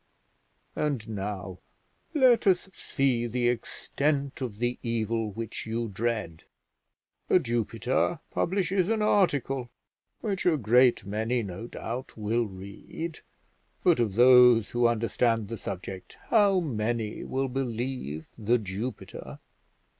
And now let us see the extent of the evil which you dread. The Jupiter publishes an article which a great many, no doubt, will read; but of those who understand the subject how many will believe The Jupiter?